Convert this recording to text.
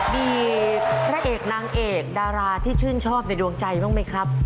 มีพระเอกนางเอกดาราที่ชื่นชอบในดวงใจบ้างไหมครับ